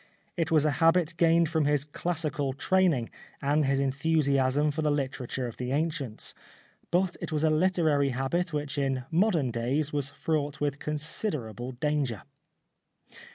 It was a habit gained from his classical training and his en thusiasm for the literature of the ancients ; but it was a literary habit which in modern days was fraught with considerable danger.